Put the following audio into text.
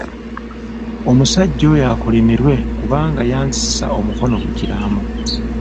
Omusajja oyo akolimirwe kubanga yanzisisa omukono ku kiraamo.